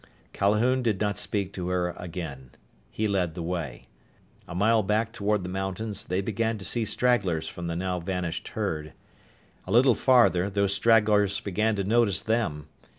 Calhoun did not speak to her again. He led the way. A mile back toward the mountains, they began to see stragglers from the now vanished herd. A little farther, those stragglers began to notice them.